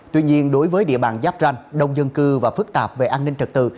tuy nhiên đối với địa bàn giáp ranh đông dân cư và phức tạp về an ninh trật tự